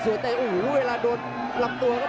เพื่อจะทำอะไรไม่ทันครับเพศทุกคน